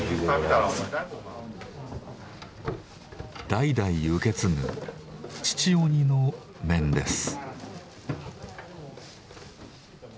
代々受け継ぐ父鬼の面です。